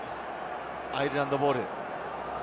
アイルランドボール。